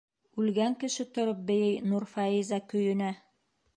«Үлгән кеше тороп бейей Нурфаиза көйөнә!»